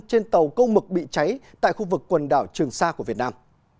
trên tàu câu mực bị cháy tại khu vực quần đảo trường sa của việt nam